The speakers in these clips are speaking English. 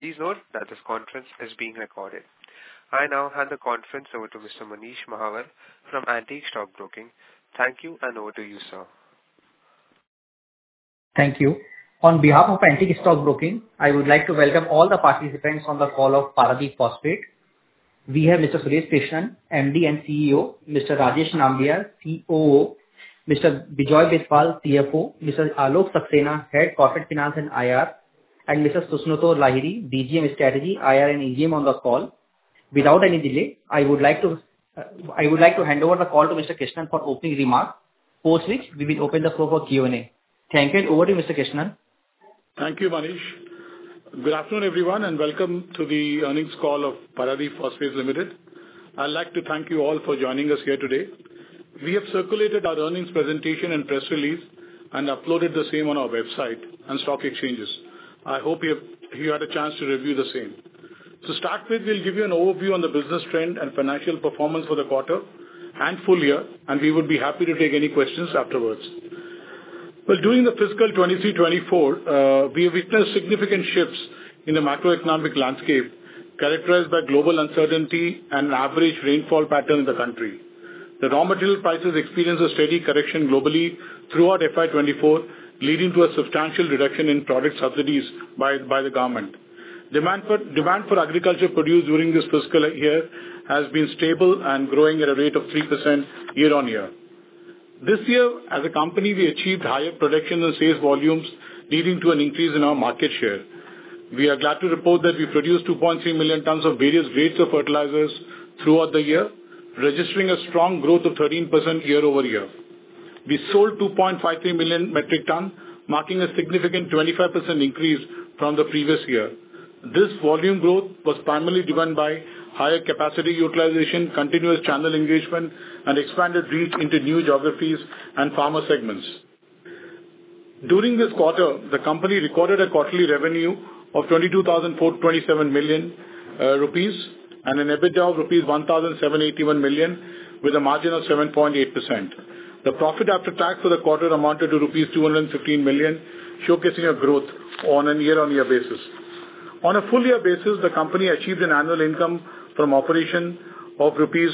Please note that this conference is being recorded. I now hand the conference over to Mr. Manish Mahawar from Antique Stock Broking. Thank you, and over to you, sir. Thank you. On behalf of Antique Stock Broking, I would like to welcome all the participants on the call of Paradeep Phosphates. We have Mr. Suresh Krishnan, MD and CEO, Mr. Rajeev Nambiar, COO, Mr. Bijoy Biswal, CFO, Mr. Alok Saxena, Head Corporate Finance and IR, and Mr. Susnato Lahiri, DGM Strategy, IR and AGM on the call. Without any delay, I would like to hand over the call to Mr. Krishnan for opening remark. Post which, we will open the floor for Q&A. Thank you, and over to you, Mr. Krishnan. Thank you, Manish. Good afternoon, everyone, and welcome to the earnings call of Paradip Phosphates Limited. I'd like to thank you all for joining us here today. We have circulated our earnings presentation and press release and uploaded the same on our website and stock exchanges. I hope you have, you had a chance to review the same. To start with, we'll give you an overview on the business trend and financial performance for the quarter and full-year, and we would be happy to take any questions afterwards. Well, during the fiscal 2023-24, we have witnessed significant shifts in the macroeconomic landscape, characterized by global uncertainty and average rainfall pattern in the country. The raw material prices experienced a steady correction globally throughout FY 2024, leading to a substantial reduction in product subsidies by, by the government. Demand for agricultural produce during this fiscal year has been stable and growing at a rate of 3% year-on-year. This year, as a company, we achieved higher production and sales volumes, leading to an increase in our market share. We are glad to report that we produced 2.3 million tons of various grades of fertilizers throughout the year, registering a strong growth of 13% year-over-year. We sold 2.53 million metric tons, marking a significant 25% increase from the previous year. This volume growth was primarily driven by higher capacity utilization, continuous channel engagement, and expanded reach into new geographies and farmer segments. During this quarter, the company recorded a quarterly revenue of 22,427 million rupees and an EBITDA of rupees 1,781 million, with a margin of 7.8%. The profit after tax for the quarter amounted to rupees 215 million, showcasing a growth on a year-on-year basis. On a full-year basis, the company achieved an annual income from operation of rupees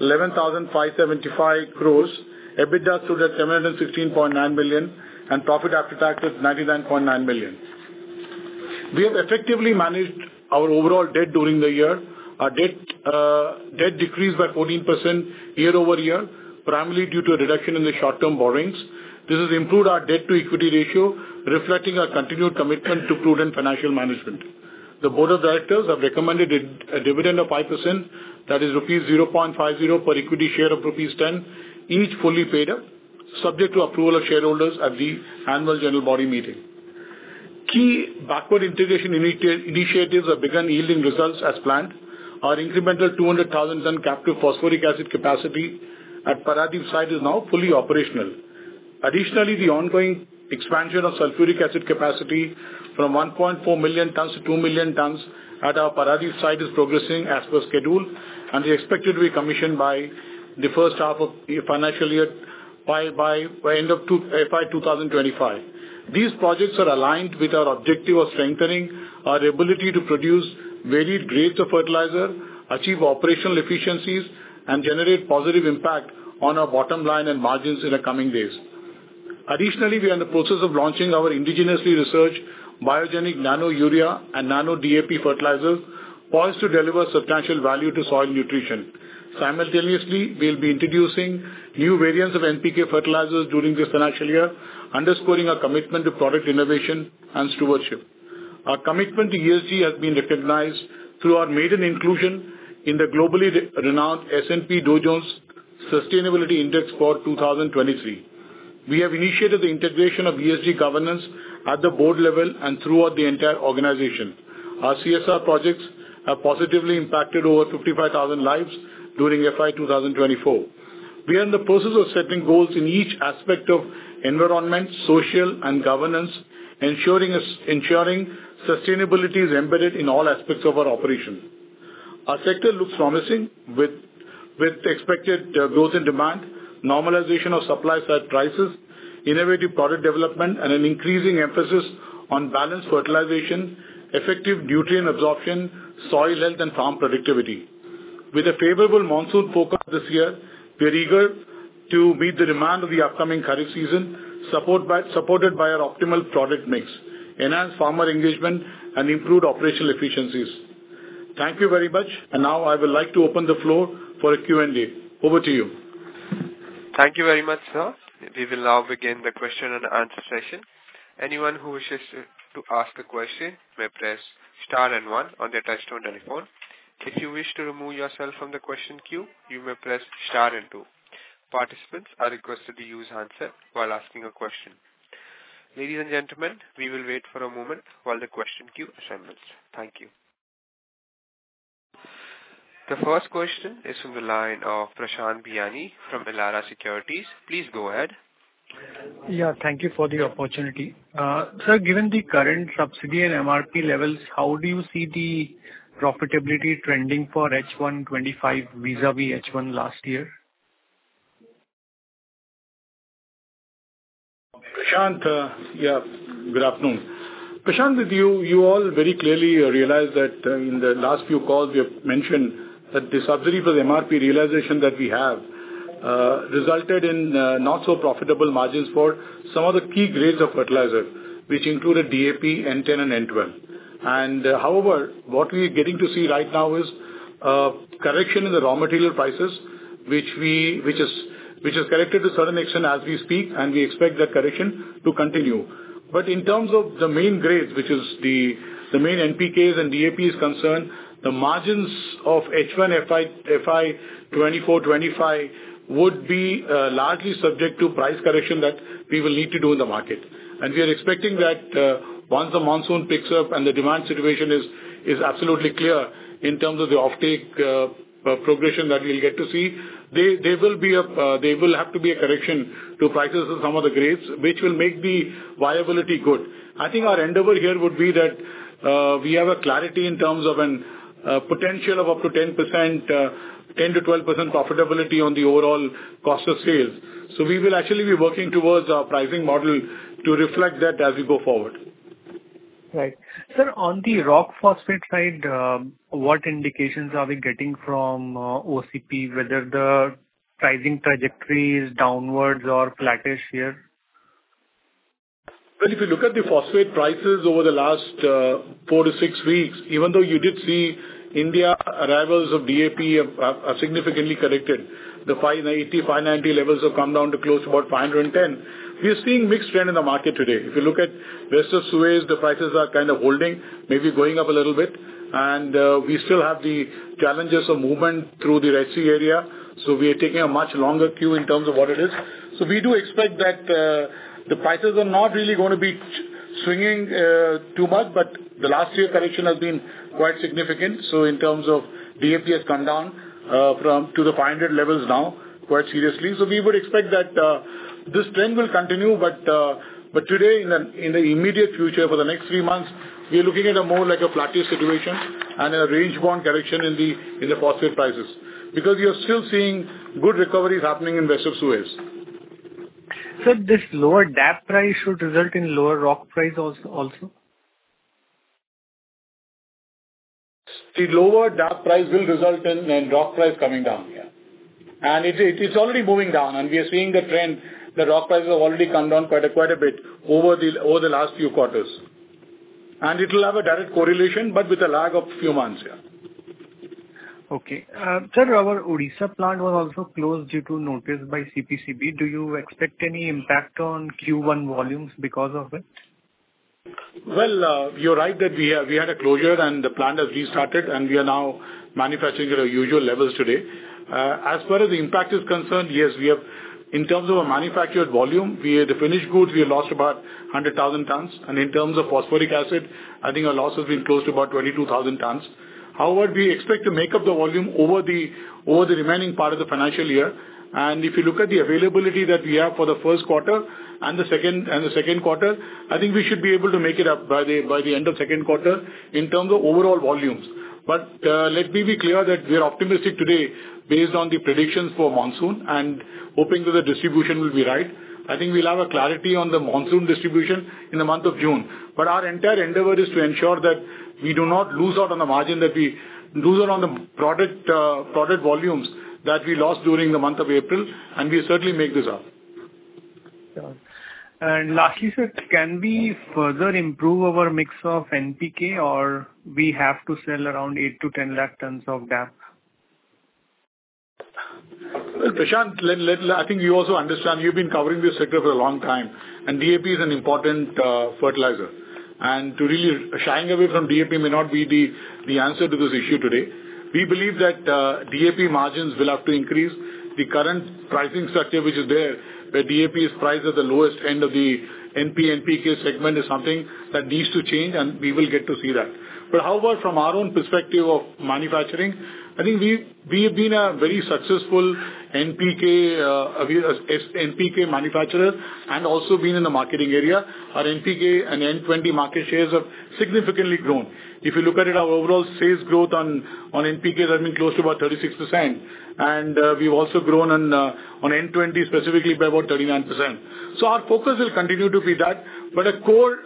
11,575 crores, EBITDA stood at 716.9 million, and profit after tax was 99.9 million. We have effectively managed our overall debt during the year. Our debt, debt decreased by 14% year-over-year, primarily due to a reduction in the short-term borrowings. This has improved our debt-to-equity ratio, reflecting our continued commitment to prudent financial management. The board of directors have recommended a dividend of 5%, that is rupees 0.50 per equity share of rupees 10, each fully paid up, subject to approval of shareholders at the annual general body meeting. Key backward integration initiatives have begun yielding results as planned. Our incremental 200,000 ton captive phosphoric acid capacity at Paradip site is now fully operational. Additionally, the ongoing expansion of sulfuric acid capacity from 1.4 million tons to 2 million tons at our Paradip site is progressing as per schedule, and is expected to be commissioned by the first half of the financial year by end of FY 2025. These projects are aligned with our objective of strengthening our ability to produce varied grades of fertilizer, achieve operational efficiencies, and generate positive impact on our bottom line and margins in the coming days. Additionally, we are in the process of launching our indigenously researched biogenic nano urea and nano DAP fertilizer, poised to deliver substantial value to soil nutrition. Simultaneously, we'll be introducing new variants of NPK fertilizers during this financial year, underscoring our commitment to product innovation and stewardship. Our commitment to ESG has been recognized through our maiden inclusion in the globally renowned S&P Dow Jones Sustainability Index for 2023. We have initiated the integration of ESG governance at the board level and throughout the entire organization. Our CSR projects have positively impacted over 55,000 lives during FY 2024. We are in the process of setting goals in each aspect of environment, social, and governance, ensuring sustainability is embedded in all aspects of our operations. Our sector looks promising with expected growth in demand, normalization of supply side prices, innovative product development, and an increasing emphasis on balanced fertilization, effective nutrient absorption, soil health, and farm productivity. With a favorable monsoon forecast this year, we are eager to meet the demand of the upcoming Kharif season, supported by our optimal product mix, enhanced farmer engagement, and improved operational efficiencies. Thank you very much, and now I would like to open the floor for a Q&A. Over to you. Thank you very much, sir. We will now begin the question and answer session. Anyone who wishes to ask a question may press star and one on their touchtone telephone. If you wish to remove yourself from the question queue, you may press star and two. Participants are requested to use handset while asking a question. Ladies and gentlemen, we will wait for a moment while the question queue assembles. Thank you. The first question is from the line of Prashant Biyani from Elara Securities. Please go ahead. Yeah, thank you for the opportunity. Sir, given the current subsidy and MRP levels, how do you see the profitability trending for H1 2025 vis-à-vis H1 last year? Prashant, yeah, good afternoon. Prashant, with you, you all very clearly realize that in the last few calls we have mentioned that the subsidy for the MRP realization that we have resulted in not so profitable margins for some of the key grades of fertilizer, which included DAP, N-10 and N-12. However, what we are getting to see right now is correction in the raw material prices, which has corrected to certain extent as we speak, and we expect that correction to continue. But in terms of the main grades, which is the main NPKs and DAPs concerned, the margins of H1 FY 2024-25 would be largely subject to price correction that we will need to do in the market. We are expecting that, once the monsoon picks up and the demand situation is absolutely clear in terms of the offtake progression that we will get to see, there will have to be a correction to prices of some of the grades, which will make the viability good. I think our endeavor here would be that we have a clarity in terms of a potential of up to 10%, 10%-12% profitability on the overall cost of sales. We will actually be working towards our pricing model to reflect that as we go forward. Right. Sir, on the Rock Phosphate side, what indications are we getting from OCP, whether the pricing trajectory is downward or flattish here? Well, if you look at the phosphate prices over the last 4-6 weeks, even though you did see India arrivals of DAP have, are significantly corrected, the $590, $590 levels have come down to close to about $510. We are seeing mixed trend in the market today. If you look at rest of Suez, the prices are kind of holding, maybe going up a little bit, and we still have the challenges of movement through the Red Sea area, so we are taking a much longer queue in terms of what it is. So we do expect that the prices are not really going to be swinging too much, but the last year correction has been quite significant. So in terms of DAP has come down from to the $500 levels now, quite seriously. So we would expect that this trend will continue, but today, in the immediate future, for the next three months, we are looking at more like a plateau situation and a range-bound correction in the phosphate prices, because we are still seeing good recoveries happening in rest of Suez. Sir, this lower DAP price should result in lower rock price also, also? The lower DAP price will result in rock price coming down, yeah. It's already moving down, and we are seeing the trend. The rock prices have already come down quite a bit over the last few quarters. It will have a direct correlation, but with a lag of a few months, yeah. Okay. Sir, our Odisha plant was also closed due to notice by CPCB. Do you expect any impact on Q1 volumes because of it? Well, you're right that we had, we had a closure and the plant has restarted, and we are now manufacturing at our usual levels today. As far as the impact is concerned, yes, we have... In terms of our manufactured volume, we, the finished goods, we have lost about 100,000 tons, and in terms of Phosphoric Acid, I think our loss has been close to about 22,000 tons. However, we expect to make up the volume over the, over the remaining part of the financial year. And if you look at the availability that we have for the first quarter and the second, and the second quarter, I think we should be able to make it up by the, by the end of second quarter in terms of overall volumes. But, let me be clear that we are optimistic today based on the predictions for monsoon and hoping that the distribution will be right. I think we'll have a clarity on the monsoon distribution in the month of June. But our entire endeavor is to ensure that we do not lose out on the margin, that we lose out on the product, product volumes that we lost during the month of April, and we certainly make this up. Lastly, sir, can we further improve our mix of NPK, or we have to sell around 8-10 lakh tons of DAP? Well, Prashant, I think you also understand, you've been covering this sector for a long time, and DAP is an important fertilizer. And to really shying away from DAP may not be the answer to this issue today. We believe that DAP margins will have to increase. The current pricing structure, which is there, where DAP is priced at the lowest end of the NP, NPK segment, is something that needs to change, and we will get to see that. But however, from our own perspective of manufacturing, I think we have been a very successful NPK, we as NPK manufacturer and also been in the marketing area. Our NPK and N-20 market shares have significantly grown. If you look at it, our overall sales growth on NPK has been close to about 36%, and we've also grown on N-20, specifically by about 39%. So our focus will continue to be that. But a core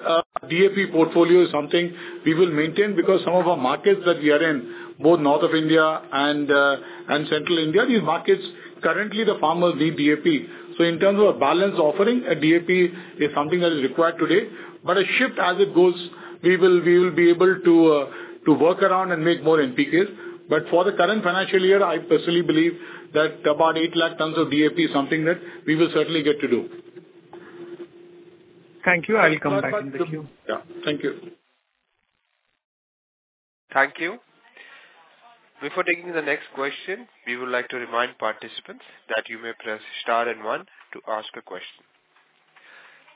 DAP portfolio is something we will maintain, because some of our markets that we are in, both north of India and Central India, these markets, currently the farmers need DAP. So in terms of a balanced offering, a DAP is something that is required today, but a shift as it goes, we will be able to work around and make more NPKs. But for the current financial year, I personally believe that about 800,000 tons of DAP is something that we will certainly get to do. Thank you. I will come back in the queue. Yeah. Thank you. Thank you. Before taking the next question, we would like to remind participants that you may press star and one to ask a question.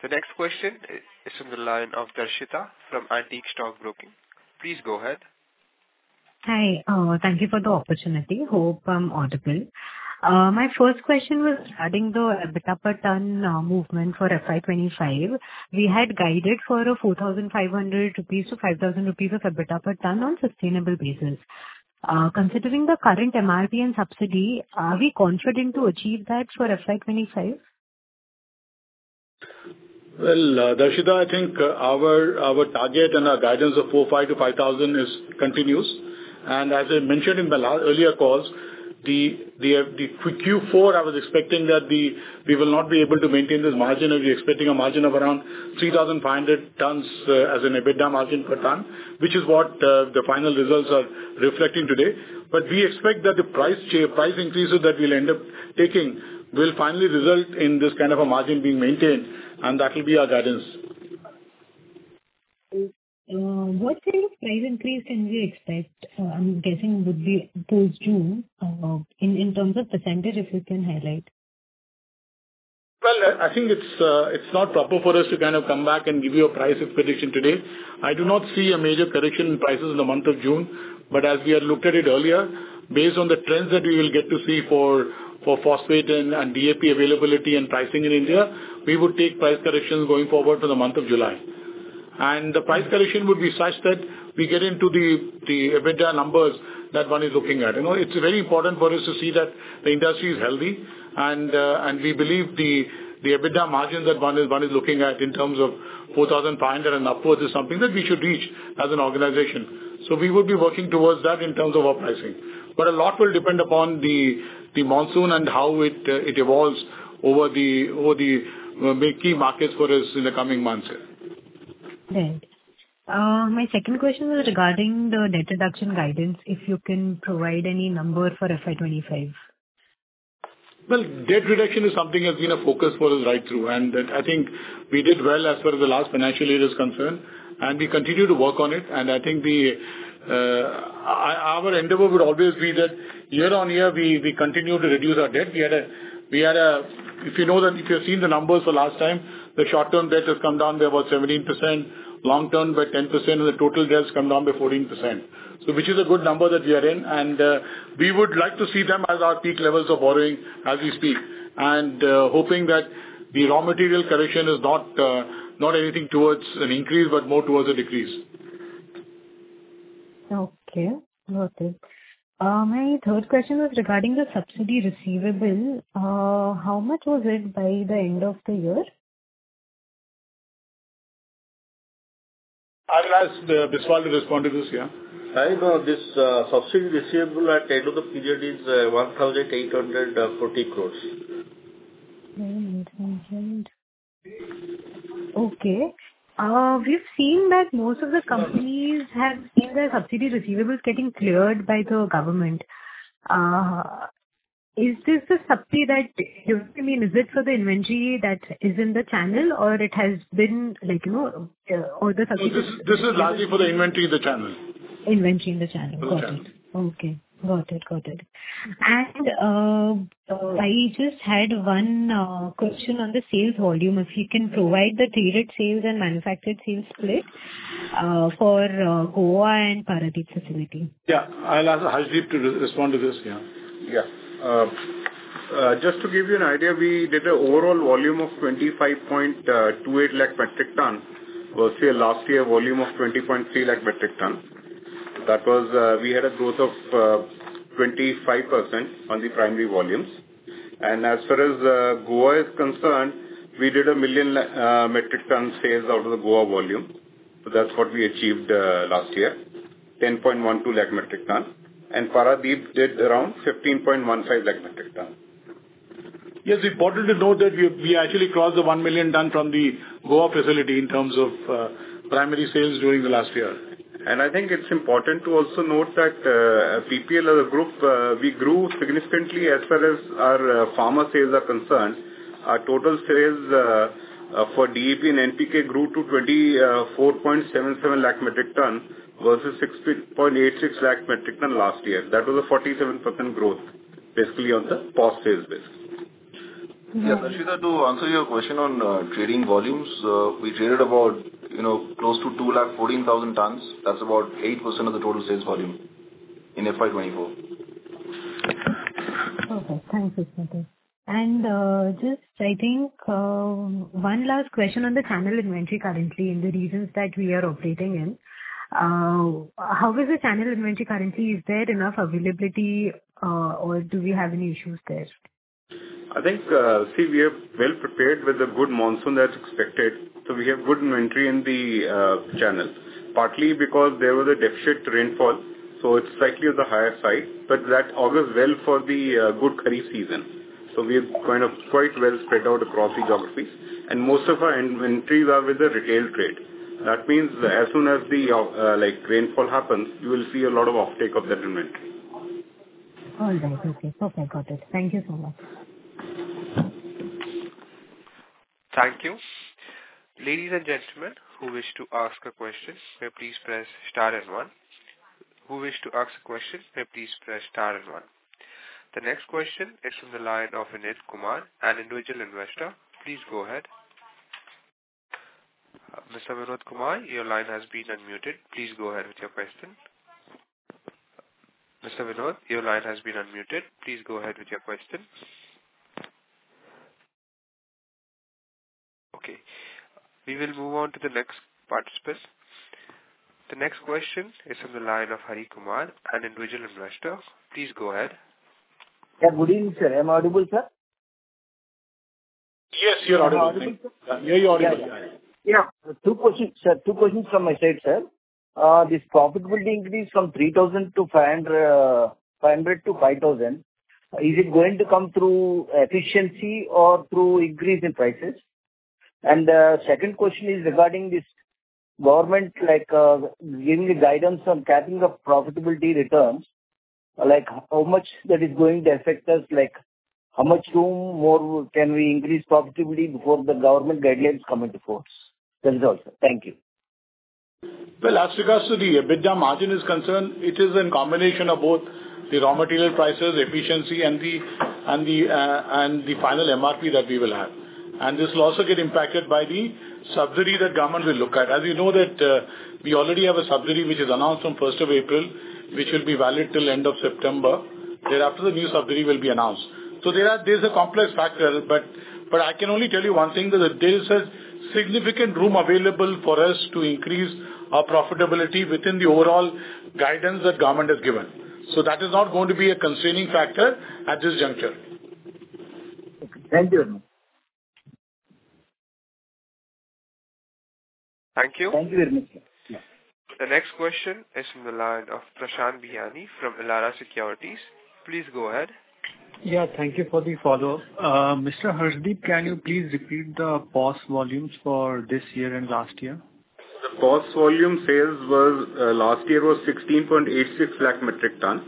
The next question is from the line of Darshita from Antique Stock Broking. Please go ahead. Hi, thank you for the opportunity. Hope I'm audible. My first question was regarding the EBITDA per ton movement for FY 25. We had guided for INR 4,500-INR 5,000 of EBITDA per ton on sustainable basis. Considering the current MRP and subsidy, are we confident to achieve that for FY 25? Well, Darshita, I think, our target and our guidance of 4,500-5,000 continues. And as I mentioned in my last earlier calls, the Q4, I was expecting that we will not be able to maintain this margin, and we're expecting a margin of around 3,500 tons, as an EBITDA margin per ton, which is what, the final results are reflecting today. But we expect that the price increases that we'll end up taking will finally result in this kind of a margin being maintained, and that will be our guidance. What kind of price increase can we expect? I'm guessing would be post-June, in terms of percentage, if you can highlight. Well, I think it's not proper for us to kind of come back and give you a price expectation today. I do not see a major correction in prices in the month of June. But as we have looked at it earlier, based on the trends that we will get to see for phosphate and DAP availability and pricing in India, we would take price corrections going forward to the month of July. And the price correction would be such that we get into the EBITDA numbers that one is looking at. You know, it's very important for us to see that the industry is healthy, and we believe the EBITDA margins that one is looking at in terms of 4,500 and upwards is something that we should reach as an organization. So we will be working towards that in terms of our pricing. But a lot will depend upon the monsoon and how it evolves over the key markets for us in the coming months here. Right. My second question was regarding the debt reduction guidance, if you can provide any number for FY 25? Well, debt reduction is something that's been a focus for us right through, and I think we did well as far as the last financial year is concerned, and we continue to work on it. I think we, our endeavor would always be that year on year, we continue to reduce our debt. We had a, If you know that, if you have seen the numbers the last time, the short-term debt has come down to about 17%, long-term by 10%, and the total debt has come down to 14%. So which is a good number that we are in, and we would like to see them as our peak levels of borrowing as we speak. And hoping that the raw material correction is not anything towards an increase, but more towards a decrease. Okay. Got it. My third question was regarding the subsidy receivable. How much was it by the end of the year? I'll ask, Bijoy Biswal to respond to this, yeah. This subsidy receivable at end of the period is 1,840 crore. 1,800. Okay. We've seen that most of the companies have seen their subsidy receivables getting cleared by the government. Is this the subsidy that, you know what I mean, is it for the inventory that is in the channel, or it has been, like, you know, or the subsidy- This is largely for the inventory in the channel. Inventory in the channel. Correct. Okay. Got it. Got it. I just had one question on the sales volume. If you can provide the traded sales and manufactured sales split for Goa and Paradip facility. Yeah, I'll ask Rajeev to respond to this, yeah. Yeah. Just to give you an idea, we did an overall volume of 25.28 lakh metric ton versus last year volume of 23 lakh metric ton. That was, we had a growth of 25% on the primary volumes. And as far as Goa is concerned, we did 10 lakh metric ton sales out of the Goa volume. So that's what we achieved last year, 10.12 lakh metric ton, and Paradip did around 15.15 lakh metric ton. Yes, important to note that we actually crossed the 1 million tons from the Goa facility in terms of primary sales during the last year. I think it's important to also note that, PPL as a group, we grew significantly as far as our, farmer sales are concerned. Our total sales, for DAP and NPK grew to 24.77 lakh metric tons versus 60.86 lakh metric tons last year. That was a 47% growth, basically on the phosphate base. Yeah, Darshita, to answer your question on trading volumes, we traded about, you know, close to 214,000 tons. That's about 8% of the total sales volume in FY 2024. Okay. Thanks, Rajeev. And, just I think, one last question on the channel inventory currently and the regions that we are operating in. How is the channel inventory currently? Is there enough availability, or do we have any issues there? I think, see, we are well prepared with a good monsoon that's expected, so we have good inventory in the channel, partly because there was a deficit rainfall, so it's slightly on the higher side, but that augurs well for the good Kharif season. So we are kind of quite well spread out across the geographies, and most of our inventories are with the retail trade. That means as soon as the like, rainfall happens, you will see a lot of offtake of that inventory. All right. Okay. Okay, got it. Thank you so much. Thank you. Ladies and gentlemen, who wish to ask a question, may please press star and one. Who wish to ask a question, may please press star and one. The next question is from the line of Vinod Kumar, an individual investor. Please go ahead. Mr. Vinod Kumar, your line has been unmuted. Please go ahead with your question. Mr. Vinod, your line has been unmuted. Please go ahead with your question.... We will move on to the next participant. The next question is from the line of Hari Kumar, an individual investor. Please go ahead. Yeah, good evening, sir. Am I audible, sir? Yes, you're audible. I'm audible? Yeah, you're audible. Yeah. Two questions, sir. Two questions from my side, sir. This profitability increase from 3,000-500, 500-5,000, is it going to come through efficiency or through increase in prices? And the second question is regarding this government, like, giving the guidance on capping of profitability returns, like, how much that is going to affect us? Like, how much room more can we increase profitability before the government guidelines come into force? That is all, sir. Thank you. Well, as regards to the EBITDA margin is concerned, it is a combination of both the raw material prices, efficiency, and the final MRP that we will have. And this will also get impacted by the subsidy that government will look at. As you know, we already have a subsidy, which is announced on first of April, which will be valid till end of September. Thereafter, the new subsidy will be announced. So there's a complex factor, but I can only tell you one thing, that there is a significant room available for us to increase our profitability within the overall guidance that government has given. So that is not going to be a constraining factor at this juncture. Okay. Thank you. Thank you. The next question is from the line of Prashant Biyani from Elara Securities. Please go ahead. Yeah, thank you for the follow-up. Mr. Rajeev, can you please repeat the POS volumes for this year and last year? The POS volume sales was last year 16.86 lakh metric tons,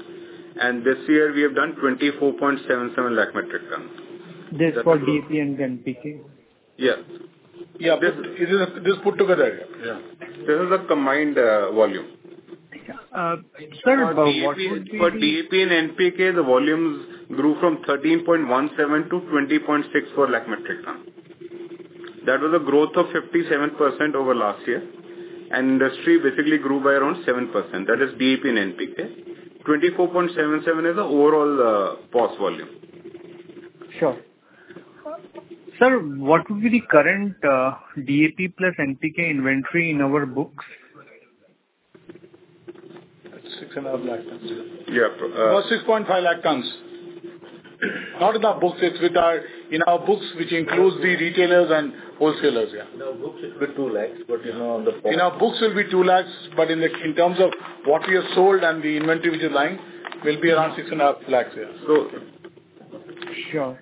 and this year we have done 24.77 lakh metric tons. This is for DAP and NPK? Yes. Yeah, this, this is put together. Yeah. This is a combined volume. Okay, sir. For DAP and NPK, the volumes grew from 13.17-20.64 lakh metric ton. That was a growth of 57% over last year, and industry basically grew by around 7%. That is DAP and NPK. 24.77 is the overall POS volume. Sure. Sir, what would be the current DAP plus NPK inventory in our books? 650,000 tons. Yeah, uh, About 650,000 tons. Not in our books, it's with our, in our books, which includes the retailers and wholesalers. Yeah. In our books, it will be 2 lakh, but, you know, on the, In our books, it will be 2 lakh, but in terms of what we have sold and the inventory which is lying, will be around 6.5 lakh. Yeah. So. Sure.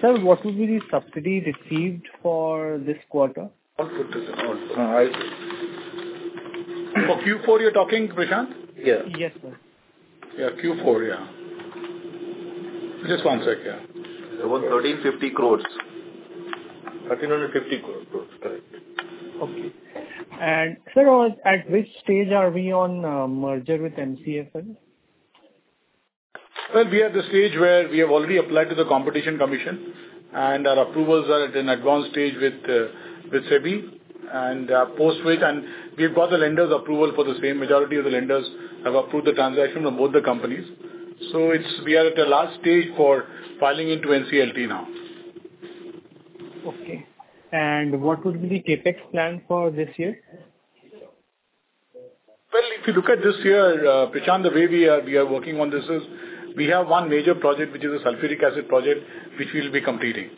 Sir, what will be the subsidy received for this quarter? For Q4, you're talking, Prashant? Yes. Yes, sir. Yeah, Q4, yeah. Just one second, yeah. About 1,350 crores. 1,350 crores. Correct. Okay. Sir, at which stage are we on merger with MCFL? Well, we are at the stage where we have already applied to the Competition Commission, and our approvals are at an advanced stage with SEBI and post which, and we've got the lenders' approval for the same. Majority of the lenders have approved the transaction on both the companies. So it's we are at the last stage for filing into NCLT now. Okay. And what would be the CapEx plan for this year? Well, if you look at this year, Prashant, the way we are, we are working on this is, we have one major project, which is a sulfuric acid project, which we will be completing.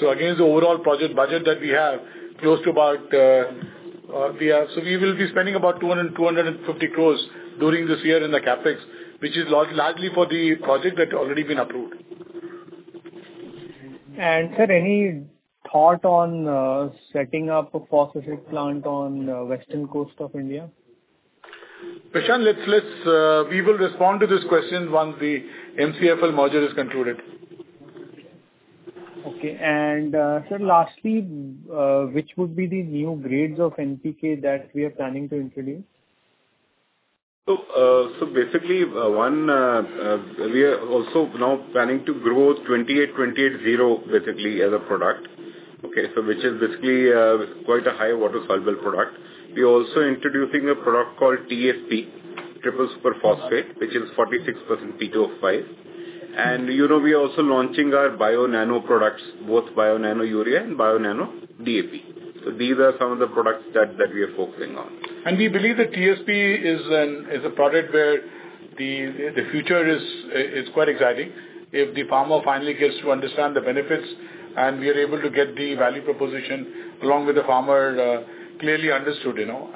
So against the overall project budget that we have, close to about, we are. So we will be spending about 200-250 crore during this year in the CapEx, which is largely for the project that already been approved. Sir, any thought on setting up a phosphatic plant on western coast of India? Prashant, let's, we will respond to this question once the MCFL merger is concluded. Okay. Sir, lastly, which would be the new grades of NPK that we are planning to introduce? So, basically, we are also now planning to grow 28, 28, zero, basically, as a product. Okay, so which is basically quite a high water-soluble product. We are also introducing a product called TSP, triple super phosphate, which is 46% P2O5. And you know, we are also launching our bio-nano products, both bio-nano urea and bio-nano DAP. So these are some of the products that we are focusing on. We believe that TSP is a product where the future is quite exciting. If the farmer finally gets to understand the benefits, and we are able to get the value proposition along with the farmer clearly understood, you know.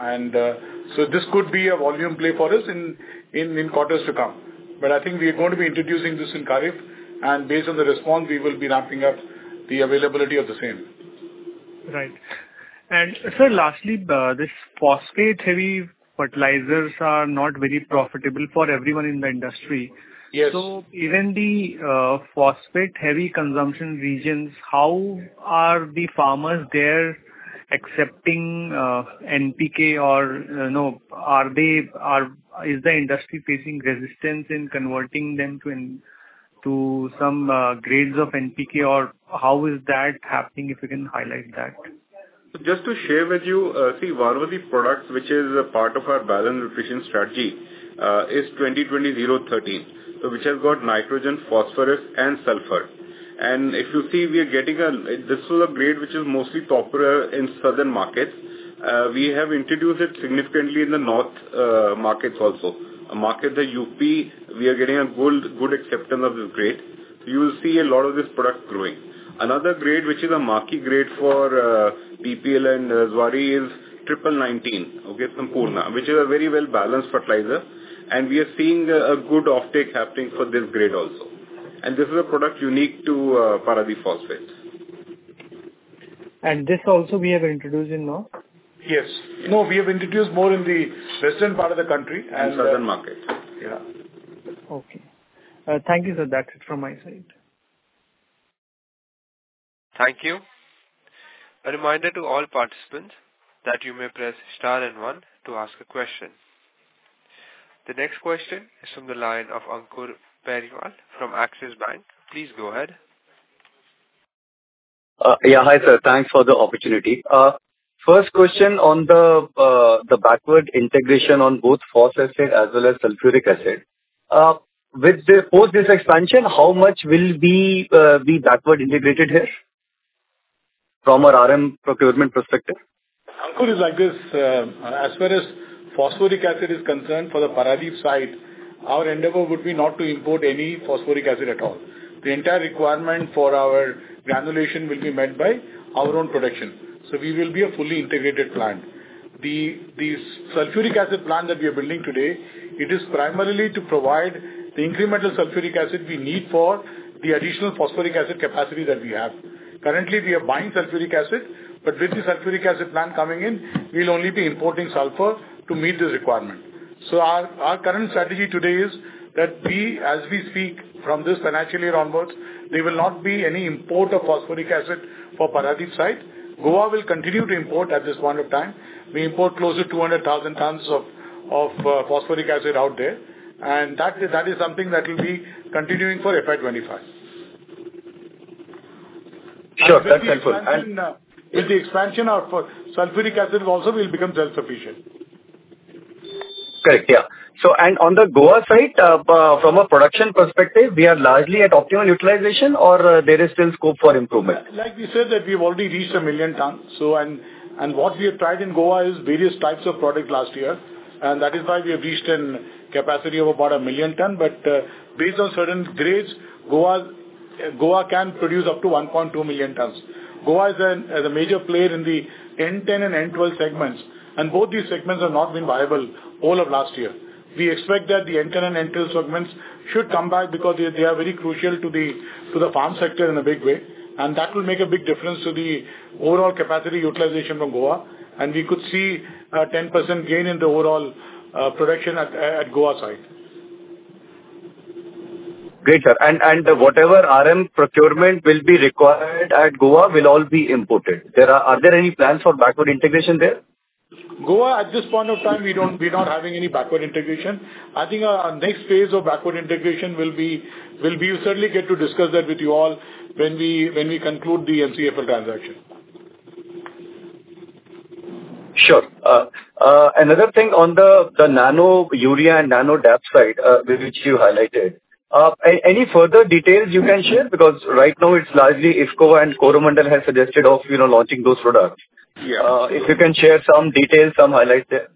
So this could be a volume play for us in quarters to come. But I think we are going to be introducing this in Kharif, and based on the response, we will be ramping up the availability of the same. Right. And sir, lastly, this phosphate-heavy fertilizers are not very profitable for everyone in the industry. Yes. So even the phosphate-heavy consumption regions, how are the farmers there accepting NPK or no, are they, are. Is the industry facing resistance in converting them to in, to some grades of NPK, or how is that happening, if you can highlight that? So just to share with you, see, one of the products which is a part of our balanced nutrition strategy, is 20, 20, zero, 13. So which has got nitrogen, phosphorus, and sulfur. And if you see, we are getting a, this is a grade which is mostly popular in southern markets. We have introduced it significantly in the north, markets also. A market, the UP, we are getting a good, good acceptance of this grade. You will see a lot of this product growing. Another grade, which is a marquee grade for, PPL and Zuari is Triple Nineteen, okay, Sampurna, which is a very well-balanced fertilizer, and we are seeing a, a good offtake happening for this grade also. And this is a product unique to, Paradip Phosphates. And this also we are introducing now? Yes. No, we have introduced more in the western part of the country and in southern market. Yeah. Okay. Thank you, sir. That's it from my side. Thank you. A reminder to all participants that you may press star and one to ask a question. The next question is from the line of Ankur Periwal from Axis Capital. Please go ahead. Yeah, hi, sir. Thanks for the opportunity. First question on the backward integration on both phosphoric as well as sulfuric acid. With the post this expansion, how much will be backward integrated here from a RM procurement perspective? Ankur, it's like this, as far as phosphoric acid is concerned, for the Paradip site, our endeavor would be not to import any phosphoric acid at all. The entire requirement for our granulation will be met by our own production. So we will be a fully integrated plant. The sulfuric acid plant that we are building today, it is primarily to provide the incremental sulfuric acid we need for the additional phosphoric acid capacity that we have. Currently, we are buying sulfuric acid, but with the sulfuric acid plant coming in, we'll only be importing sulfur to meet the requirement. So our current strategy today is that we, as we speak from this financially onwards, there will not be any import of phosphoric acid for Paradip site. Goa will continue to import at this point of time. We import close to 200,000 tons of phosphoric acid out there, and that is something that will be continuing for FY 25. Sure, that's helpful. And, With the expansion out for sulfuric acid also, we'll become self-sufficient. Correct, yeah. So, on the Goa side, from a production perspective, we are largely at optimal utilization, or there is still scope for improvement? Like we said that we've already reached 1 million tons, and what we have tried in Goa is various types of product last year, and that is why we have reached in capacity of about a million ton. But based on certain grades, Goa, Goa can produce up to 1.2 million tons. Goa is an, is a major player in the N-10 and N-12 segments, and both these segments have not been viable all of last year. We expect that the N-10 and N-12 segments should come back because they, they are very crucial to the, to the farm sector in a big way, and that will make a big difference to the overall capacity utilization from Goa, and we could see a 10% gain in the overall, production at Goa side. Great, sir. And whatever RM procurement will be required at Goa will all be imported. Are there any plans for backward integration there? Goa, at this point of time, we don't; we're not having any backward integration. I think our next phase of backward integration will be, will be certainly get to discuss that with you all when we, when we conclude the MCFL transaction. Sure. Another thing on the nano urea and nano DAP side, which you highlighted. Any further details you can share? Because right now it's largely IFFCO and Coromandel has suggested of, you know, launching those products. Yeah. If you can share some details, some highlights there.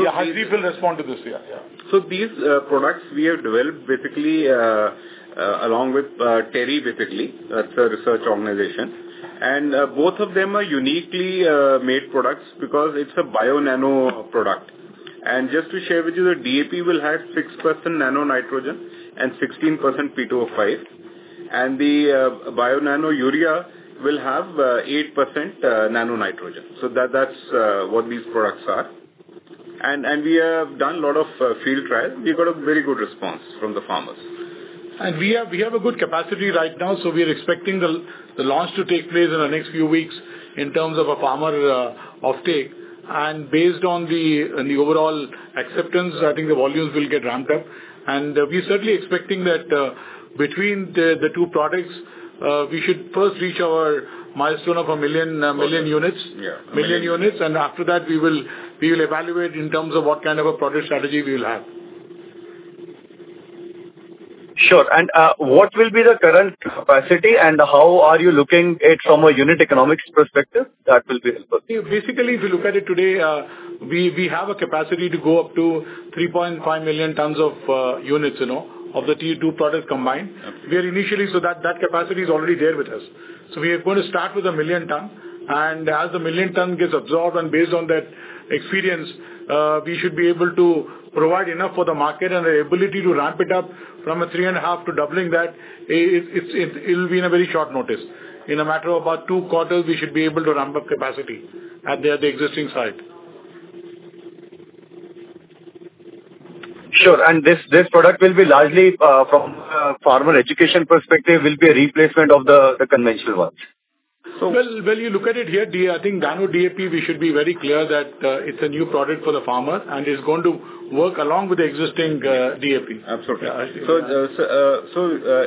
Yeah, how people respond to this? Yeah, yeah. So these products we have developed basically along with TERI. Basically, it's a research organization. And both of them are uniquely made products because it's a bio-nano product. And just to share with you, the DAP will have 6% nano nitrogen and 16% P2O5, and the bio-nano urea will have 8% nano nitrogen. So that's what these products are. And we have done a lot of field trials. We've got a very good response from the farmers. We have a good capacity right now, so we are expecting the launch to take place in the next few weeks in terms of farmer offtake. Based on the overall acceptance, I think the volumes will get ramped up. We're certainly expecting that between the two products we should first reach our milestone of 1 million units. Yeah. Million units, and after that, we will, we will evaluate in terms of what kind of a product strategy we will have. Sure. What will be the current capacity, and how are you looking at from a unit economics perspective? That will be helpful. Basically, if you look at it today, we have a capacity to go up to 3.5 million tons of units, you know, of the two products combined. We are initially, so that capacity is already there with us. So we are going to start with a million ton, and as the million ton gets absorbed and based on that experience, we should be able to provide enough for the market and the ability to ramp it up from a 3.5 to doubling that, it'll be in a very short notice. In a matter of about 2 quarters, we should be able to ramp up capacity at the existing site. Sure. And this, this product will be largely, from a farmer education perspective, will be a replacement of the, the conventional one? Well, when you look at it here, the, I think, Nano DAP, we should be very clear that it's a new product for the farmer, and it's going to work along with the existing DAP. Absolutely. Yeah.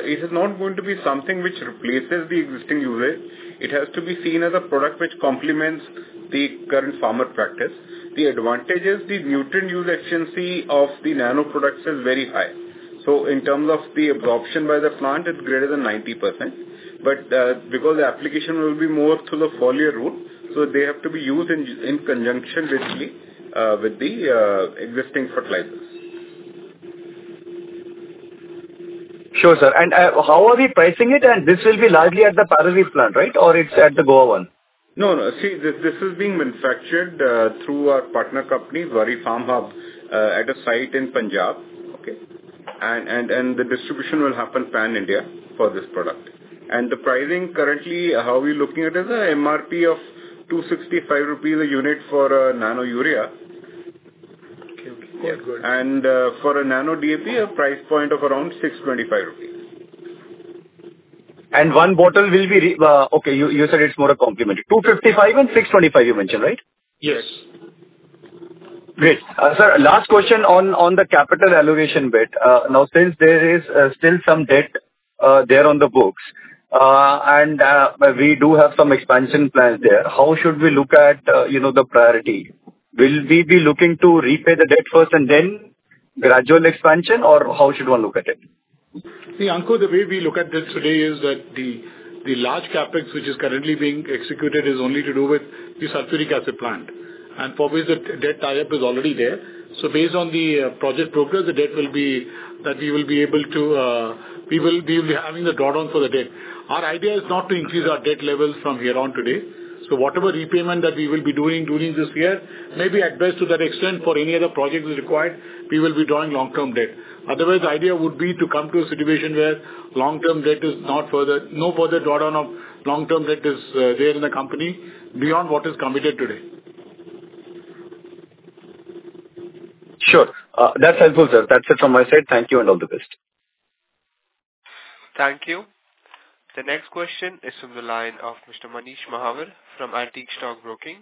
It is not going to be something which replaces the existing urea. It has to be seen as a product which complements the current farmer practice. The advantage is the nutrient use efficiency of the nano products is very high. So in terms of the absorption by the plant, it's greater than 90%, but because the application will be more through the foliar route, so they have to be used in conjunction with the existing fertilizers. Sure, sir. And, how are we pricing it? And this will be largely at the Paradip plant, right? Or it's at the Goa one? No, no. See, this, this is being manufactured through our partner company, Zuari FarmHub, at a site in Punjab, okay? And, and, and the distribution will happen pan-India for this product. And the pricing currently, how we're looking at it, is a MRP of 265 rupees a unit for nano urea. Okay. Good, good. For a Nano DAP, a price point of around 625 rupees. One bottle will be, okay, you, you said it's more a complementary. 255 and 625, you mentioned, right? Yes. Great. Sir, last question on the capital allocation bit. Now, since there is still some debt there on the books, and we do have some expansion plans there, how should we look at you know, the priority? Will we be looking to repay the debt first and then gradual expansion, or how should one look at it? See, Ankur, the way we look at this today is that the large CapEx, which is currently being executed, is only to do with the sulfuric acid plant. And for which the debt tie-up is already there. So based on the project progress, the debt will be that we will be able to have the drawdown for the debt. Our idea is not to increase our debt levels from here on today. So whatever repayment that we will be doing during this year, maybe at best to that extent for any other project is required, we will be drawing long-term debt. Otherwise, the idea would be to come to a situation where long-term debt is not further, no further drawdown of long-term debt is there in the company beyond what is committed today. Sure. That's helpful, sir. That's it from my side. Thank you, and all the best. Thank you. The next question is from the line of Mr. Manish Mahawar from Antique Stock Broking.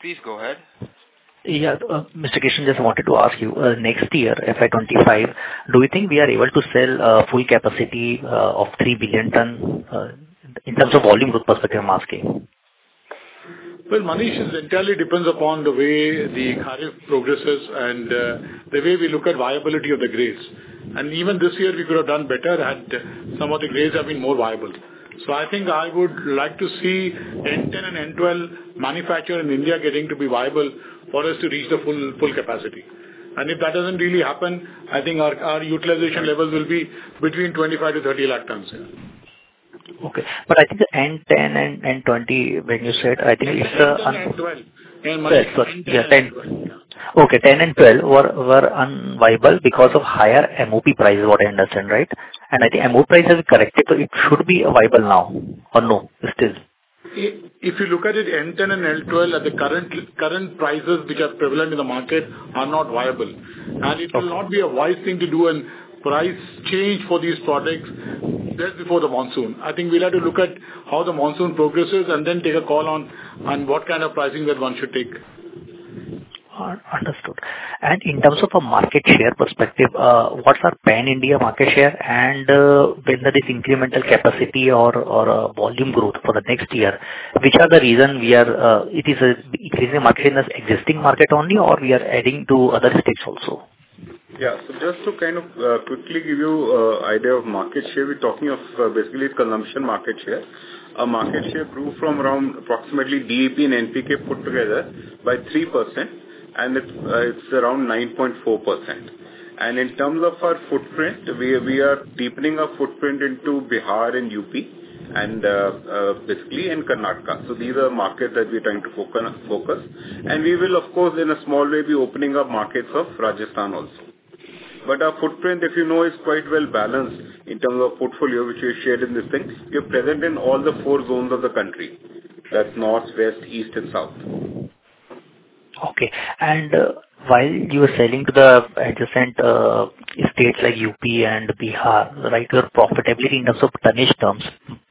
Please go ahead. Yeah, Mr. Krishnan, just wanted to ask you, next year, FY 25, do you think we are able to sell full capacity of 3 billion ton in terms of volume growth perspective? I'm asking. Well, Manish, it entirely depends upon the way the Kharif progresses and the way we look at viability of the grades. And even this year, we could have done better had some of the grades have been more viable. So I think I would like to see N-10 and N-12 manufacturing in India getting to be viable for us to reach the full, full capacity. And if that doesn't really happen, I think our, our utilization levels will be between 25-30 lakh tons. Okay. But I think the N-10 and N-20, when you said, I think it's, N-10 and N-12. Yes, yeah, 10. Okay, 10 and 12 were unviable because of higher MOP prices, what I understand, right? And I think MOP price has corrected, so it should be viable now, or no, still? If you look at it, N-10 and N-12 at the current prices which are prevalent in the market are not viable. Okay. It will not be a wise thing to do a price change for these products just before the monsoon. I think we'll have to look at how the monsoon progresses and then take a call on what kind of pricing that one should take. Understood. And in terms of a market share perspective, what's our pan-India market share? And, when there is incremental capacity or, volume growth for the next year, which are the reason we are, it is increasing market in the existing market only, or we are adding to other states also? Yeah. So just to kind of quickly give you idea of market share, we're talking of basically consumption market share. Our market share grew from around approximately DAP and NPK put together by 3%, and it's around 9.4%. And in terms of our footprint, we are deepening our footprint into Bihar and UP and basically in Karnataka. So these are markets that we're trying to focus. And we will, of course, in a small way, be opening up markets of Rajasthan also. But our footprint, if you know, is quite well balanced in terms of portfolio, which we shared in the things. We are present in all four zones of the country. That's north, west, east, and south. Okay. And, while you are selling to the adjacent, states like UP and Bihar, right, your profitability in terms of tonnage terms,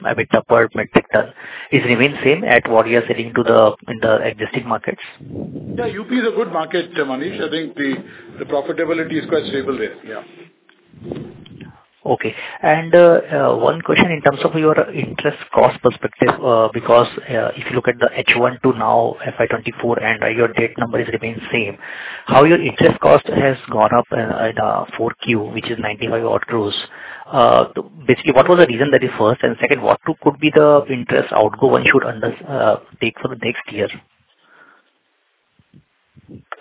a bit upward metric ton, it remains same at what you are selling to the, in the existing markets? Yeah, UP is a good market, Manish. I think the profitability is quite stable there. Yeah. Okay. One question in terms of your interest cost perspective, because if you look at the H1 to now, FY 2024, and your debt number is remain same, how your interest cost has gone up, at Q4, which is 95 crore, basically, what was the reason that is first? And second, what could be the interest outflow one should undertake for the next year?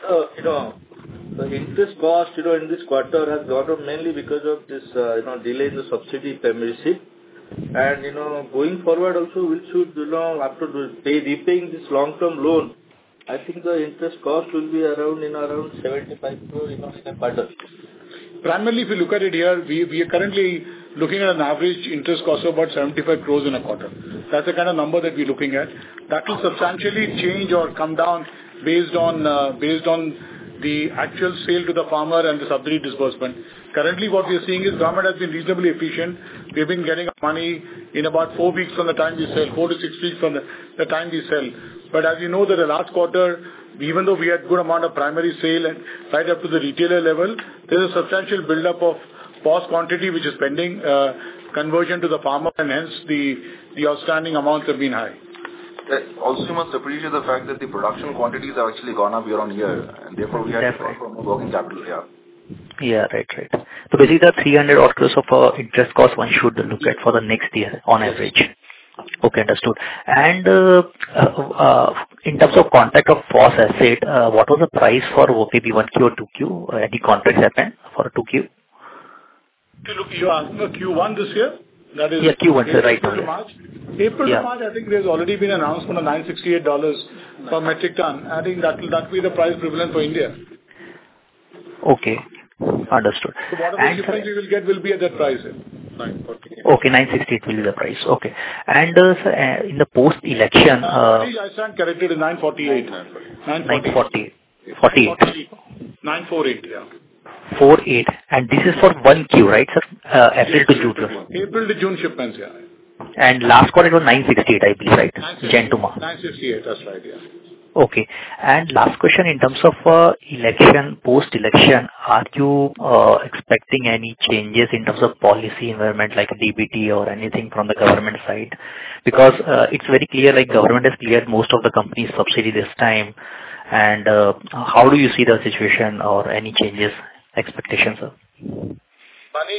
You know, the interest cost, you know, in this quarter has gone up mainly because of this, you know, delay in the subsidy reimbursement. You know, going forward also, we should, you know, after repaying this long-term loan, I think the interest cost will be around, you know, around INR 75 crore, you know, per quarter. Primarily, if you look at it here, we are currently looking at an average interest cost of about 75 crore in a quarter. That's the kind of number that we're looking at. That will substantially change or come down based on the actual sale to the farmer and the subsidy disbursement. Currently, what we are seeing is government has been reasonably efficient. We've been getting our money in about four weeks from the time we sell, four to six weeks from the time we sell. But as you know, that the last quarter, even though we had good amount of primary sale and right up to the retailer level, there's a substantial buildup of POS quantity, which is pending conversion to the farmer, and hence, the outstanding amounts have been high. Also, you must appreciate the fact that the production quantities have actually gone up year on year, and therefore we have to work in capital, yeah. Yeah, right. Right. So basically, the 300 crore of interest cost one should look at for the next year on average? Yes. Okay, understood. And, in terms of contract of Phos Acid, what was the price for OCP 1Q or 2Q? Any contracts happened for a 2Q? You're asking of Q1 this year? Yeah, Q1, sir. Right. Okay. April to March. Yeah. April to March, I think there's already been an announcement of $968 per metric ton. I think that will be the price prevalent for India. Okay. Understood. Whatever difference we will get will be at that price, INR 968. Okay, 968 will be the price. Okay. Sir, in the post-election, Sorry, I stand corrected, 948. 948. 948, yeah. 948. And this is for 1Q, right, sir? April to June. April to June shipments, yeah. Last quarter it was 968, I believe, right? Jan to March. 968. That's right, yeah. Okay. And last question, in terms of election, post-election, are you expecting any changes in terms of policy environment like DBT or anything from the government side? Because it's very clear, like government has cleared most of the company's subsidy this time, and how do you see the situation or any changes, expectations, sir? Mani, this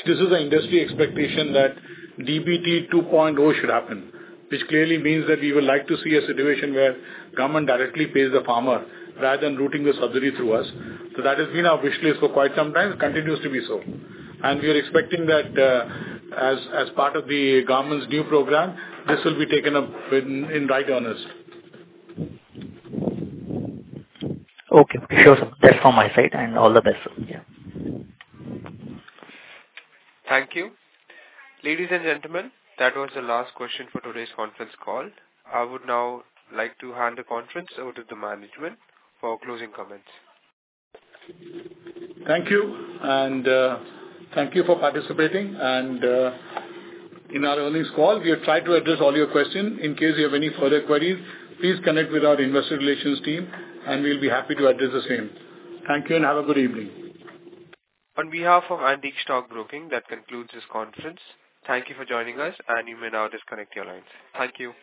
is an industry expectation that DBT 2.0 should happen, which clearly means that we would like to see a situation where government directly pays the farmer rather than routing the subsidy through us. So that has been our wish list for quite some time, continues to be so. And we are expecting that, as part of the government's new program, this will be taken up in right earnest. Okay, sure. That's from my side, and all the best, sir. Yeah. Thank you. Ladies and gentlemen, that was the last question for today's conference call. I would now like to hand the conference over to the management for closing comments. Thank you, and thank you for participating, and in our earnings call, we have tried to address all your questions. In case you have any further queries, please connect with our investor relations team, and we'll be happy to address the same. Thank you, and have a good evening. On behalf of Antique Stock Broking, that concludes this conference. Thank you for joining us, and you may now disconnect your lines. Thank you.